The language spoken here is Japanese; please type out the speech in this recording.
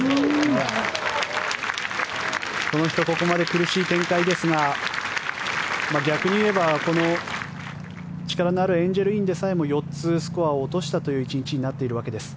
この人はここまで苦しい展開ですが逆に言えば、この力のあるエンジェル・インでさえも４つスコアを落とした１日になってるわけです。